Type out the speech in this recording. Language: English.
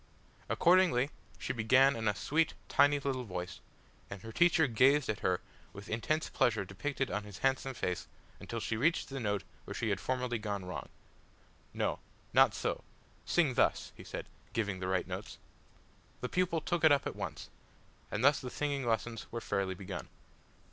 Accordingly, she began in a sweet, tiny little voice, and her teacher gazed at her with intense pleasure depicted on his handsome face until she reached the note where she had formerly gone wrong. "No not so; sing thus," he said, giving the right notes. The pupil took it up at once, and thus the singing lessons were fairly begun.